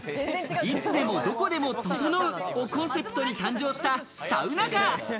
いつでもどこでも、ととのうをコンセプトに誕生したサウナカー。